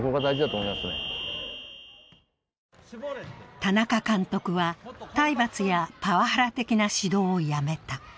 田中監督は、体罰やパワハラ的な指導をやめた。